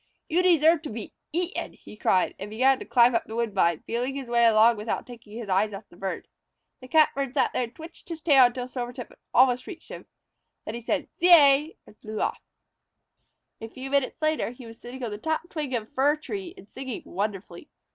"You deserve to be eaten," he cried, and he began to climb up the woodbine, feeling his way along without taking his eyes from the Catbird. The Catbird sat there and twitched his tail until Silvertip had almost reached him. Then he said, "Zeay!" and flew off. A few minutes later he was sitting on the top twig of a fir tree and singing wonderfully.